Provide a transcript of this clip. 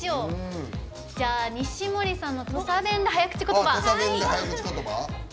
西森さんの「土佐弁で早口言葉」。